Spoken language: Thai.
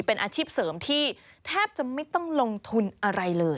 เป็นอาชีพเสริมที่แทบจะไม่ต้องลงทุนอะไรเลย